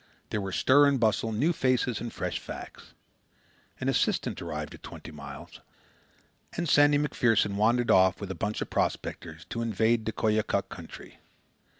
There were stir and bustle, new faces, and fresh facts. An assistant arrived at Twenty Mile, and Sandy MacPherson wandered off with a bunch of prospectors to invade the Koyokuk country.